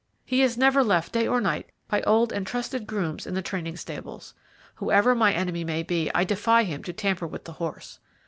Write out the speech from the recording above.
He is never left day or night by old and trusted grooms in the training stables. Whoever my enemy may be, I defy him to tamper with the horse.